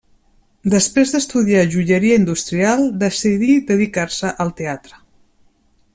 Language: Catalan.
Després d'estudiar joieria industrial, decidí dedicar-se al teatre.